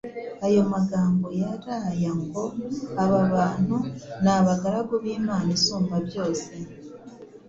Ayo magambo yari aya ngo: “ Aba bantu ni abagaragu b’Imana Isumbabyose,